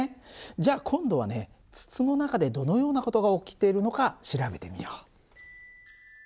じゃあ今度はね筒の中でどのような事が起きてるのか調べてみよう。